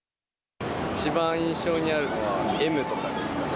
一番印象にあるのは、Ｍとかですかね。